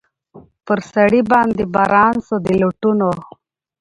پر سړي باندي باران سو د لوټونو